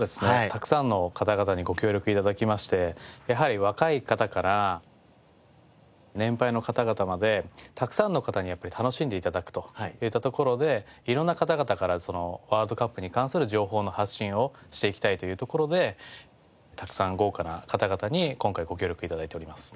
たくさんの方々にご協力頂きましてやはり若い方から年配の方々までたくさんの方にやっぱり楽しんで頂くといったところで色んな方々からワールドカップに関する情報の発信をしていきたいというところでたくさん豪華な方々に今回ご協力頂いております。